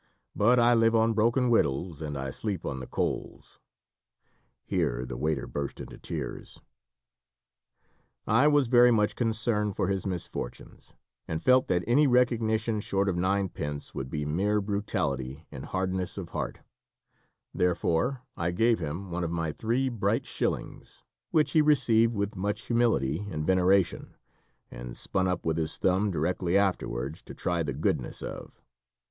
But I live on broken wittles and I sleep on the coals" here the waiter burst into tears. I was very much concerned for his misfortunes, and felt that any recognition short of ninepence would be mere brutality and hardness of heart, Therefore I gave him one of my three bright shillings, which he received with much humility and veneration, and spun up with his thumb, directly afterwards, to try the goodness of.